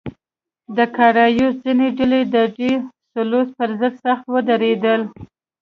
د کارایوس ځینې ډلې د ډي سلوس پر ضد سخت ودرېدل.